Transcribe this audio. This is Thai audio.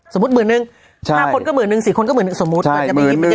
สมมุติหมื่นนึงใช่ห้าคนก็หมื่นนึงสี่คนก็หมื่นนึงสมมุติใช่หมื่นหนึ่ง